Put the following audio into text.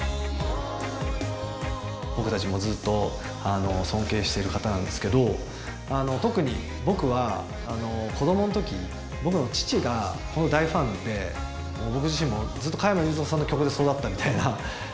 僕たちもずっと尊敬している方なんですけど、特に僕は、子どものとき、僕の父がその大ファンで、僕自身も、ずっと加山雄三さんの曲で育ったみたいな。